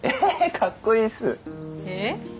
かっこいいっすえっ？